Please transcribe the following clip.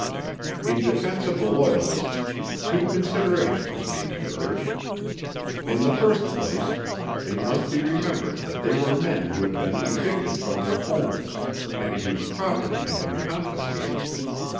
In defence of the Loyalists, two considerations may be urged. In the first place, it must be remembered that they were men who had been evicted from their homes, and whose property had been confiscated.